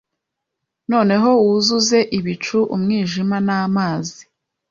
Noneho wuzuze ibicu umwijima namazi